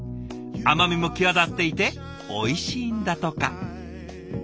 甘みも際立っていておいしいんだとか。